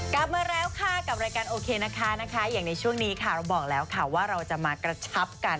กลับมาแล้วค่ะกับรายการโอเคนะคะอย่างในช่วงนี้ค่ะเราบอกแล้วค่ะว่าเราจะมากระชับกัน